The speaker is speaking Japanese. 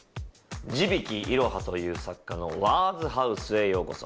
字引いろはという作家の『ワーズハウスへようこそ』。